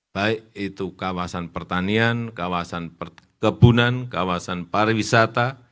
baik itu kawasan pertanian kawasan perkebunan kawasan pariwisata